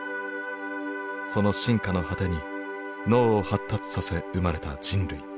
その進化の果てに脳を発達させ生まれた人類。